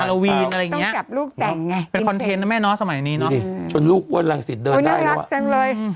โอ๋น่ารักจังเลย